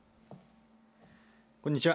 こんにちは。